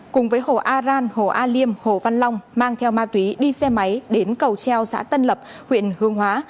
cùng với hồ a ran hồ a liêm hồ văn long mang theo ma túy đi xe máy đến cầu treo xã tân lập huyện hương hóa